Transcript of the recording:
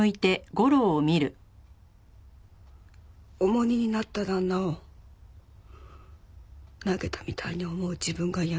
重荷になった旦那を投げたみたいに思う自分が嫌なだけ。